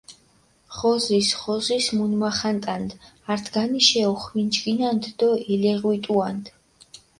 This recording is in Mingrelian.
ღოზის, ღოზის მუნმახანტანდჷ, ართგანიშე ოხვინჯგინანდჷ დო ელეღვიტუანდჷ.